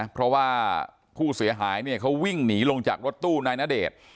เพราะว่าผู้เสียหายเนี่ยเขาวิ่งหนีลงจากรถตู้นายณเดชน์